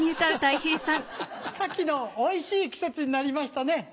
牡蠣のおいしい季節になりましたね。